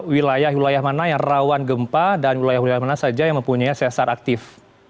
wilayah wilayah mana yang rawan gempa dan wilayah wilayah mana saja yang mempunyai sesar aktif